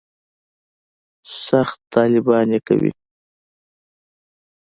سخت طالبان یې کوي.